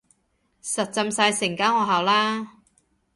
實浸晒成間學校啦